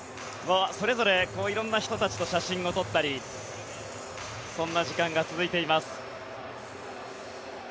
それぞれ色んな人たちと写真を撮ったりそんな時間が続いています。